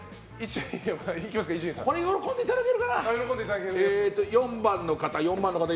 これ喜んでいただけるかな。